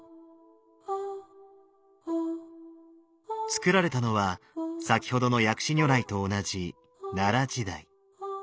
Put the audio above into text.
造られたのは先ほどの薬師如来と同じ奈良時代。